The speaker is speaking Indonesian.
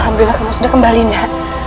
alhamdulillah kamu sudah kembali enggak